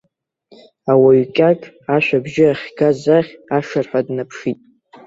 Ауаҩкьаҿ ашә абжьы ахьгаз ахь ашырҳәа днаԥшит.